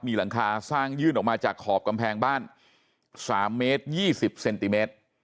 มีหลังคาสร้างยื่นออกมาจากขอบกำแพงบ้าน๓เมตร๒๐เซนติเมตร